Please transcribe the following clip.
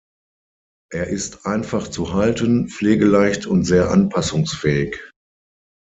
Er ist einfach zu halten, pflegeleicht und sehr anpassungsfähig.